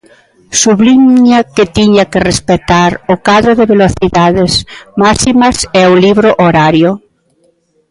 Subliña que tiña que respectar o cadro de velocidades máximas e o libro horario.